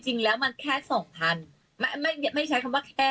จริงแล้วมันแค่สองพันไม่ไม่ใช้คำว่าแค่